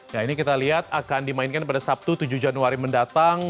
nah ini kita lihat akan dimainkan pada sabtu tujuh januari mendatang